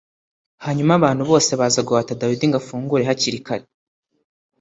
Hanyuma abantu bose baza guhata Dawidi ngo afungure hakiri kare